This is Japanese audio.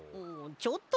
ちょっとね。